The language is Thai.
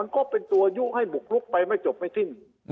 ก็เป็นตัวยุให้บุกลุกไปไม่จบไม่สิ้น